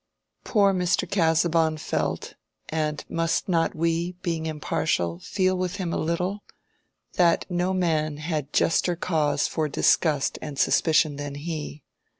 Poor Mr. Casaubon felt (and must not we, being impartial, feel with him a little?) that no man had juster cause for disgust and suspicion than he.